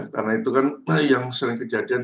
karena itu kan yang sering kejadian